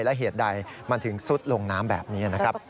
และเหตุใดมันถึงซุดลงน้ำแบบนี้นะครับ